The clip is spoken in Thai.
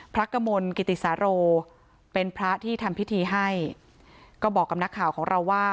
กมลกิติสาโรเป็นพระที่ทำพิธีให้ก็บอกกับนักข่าวของเราว่า